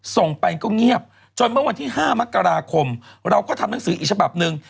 ส่งไปก็เงียบจนเมื่อวันที่๕มกราคมเราก็ทำหนังสืออีกฉบับหนึ่ง